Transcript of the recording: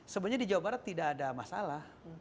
sebenarnya di jawa barat tidak ada masalah